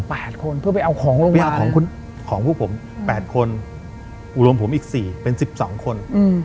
เพื่อไปเอาของลงไปของผู้ผม๘คนอุรมผมอีก๔เป็น๑๒คน